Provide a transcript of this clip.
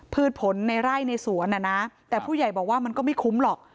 พืชผลในไร่ในสวนแต่ผู้ใหญ่บอกว่ามันก็ไม่คุ้มหรอก